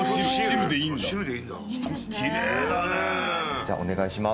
じゃあお願いします。